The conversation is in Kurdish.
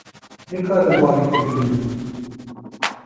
Nikarim bavê te bibînim.